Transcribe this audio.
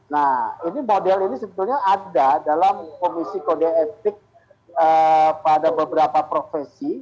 nah ini model ini sebetulnya ada dalam komisi kode etik pada beberapa profesi